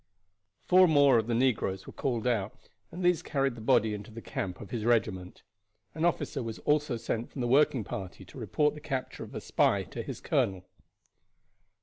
Four more of the negroes were called out, and these carried the body into the camp of his regiment. An officer was also sent from the working party to report the capture of a spy to his colonel.